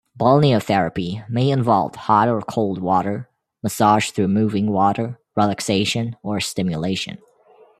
Balneotherapy may involve hot or cold water, massage through moving water, relaxation, or stimulation.